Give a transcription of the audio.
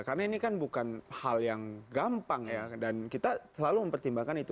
karena ini kan bukan hal yang gampang dan kita selalu mempertimbangkan itu